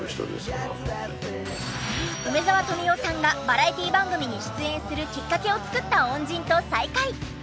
梅沢富美男さんがバラエティー番組に出演するきっかけを作った恩人と再会。